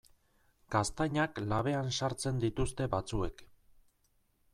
Gaztainak labean sartzen dituzte batzuek.